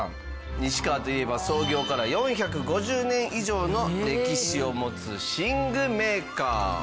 西川といえば創業から４５０年以上の歴史を持つ寝具メーカー。